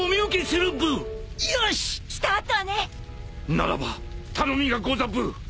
ならば頼みがござブ！